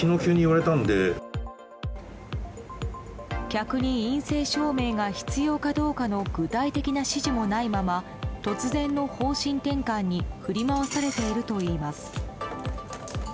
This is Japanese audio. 客に陰性証明が必要かどうかの具体的な指示もないまま突然の方針転換に振り回されているといいます。